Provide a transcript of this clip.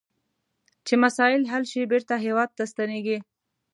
چې مسایل حل شي بیرته هیواد ته ستنیږي.